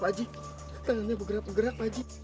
pakcik tangannya bergerak gerak pakcik